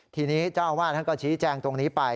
ทีนี้เจ้าอาวาสท่านก็ชี้แจงตรงนี้ไป